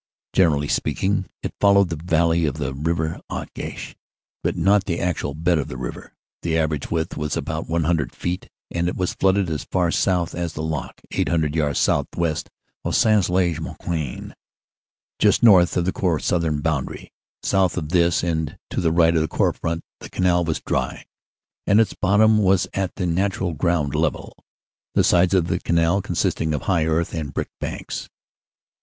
Generally speaking, it followed the valley of the River Agache, but not the actual bed of the river. The average width was about 100 feet and it was flooded as far south as the lock, 800 yards southwest of Sains lez Marquion. just north of the Corps southern boundary. South of this and to the right of the Corps front the Canal was dry, and its bot tom was at the natural ground level, the sides of the canal con sisting of high earth and brick banks.